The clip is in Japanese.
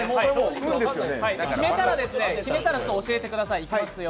決めたら教えてください。